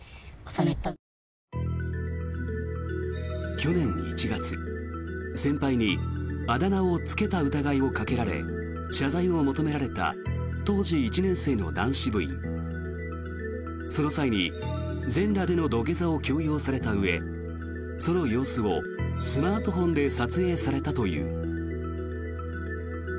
去年１月、先輩にあだ名をつけた疑いをかけられ謝罪を求められた当時１年生の男子部員。その際に全裸での土下座を強要されたうえその様子をスマートフォンで撮影されたという。